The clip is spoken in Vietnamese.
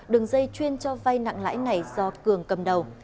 đường dây chuyên cho vay nặng lãi này do cường cầm đầu